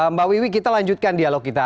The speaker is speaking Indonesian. mbak wiwi kita lanjutkan dialog kita